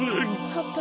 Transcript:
パパ。